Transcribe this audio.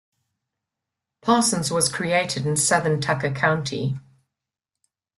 Parsons was created in Southern Tucker County.